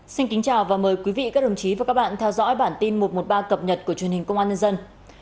xin kính chào và mời quý vị các đồng chí và các bạn theo dõi bản tin một trăm một mươi ba cập nhật của truyền hình công an nhân dân